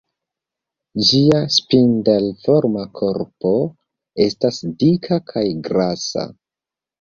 Ĝia spindel-forma korpo estas dika kaj grasa.